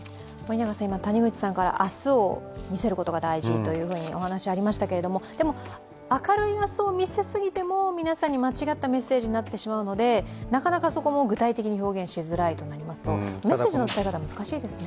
谷口さんから、明日を見せることが大事とお話がありましたがでも、明るい明日を見せすぎても、皆さんに間違ったメッセージになってしまいますのでなかなか、そこも具体的に表現しづらいってなりますとメッセージの伝え方、難しいですね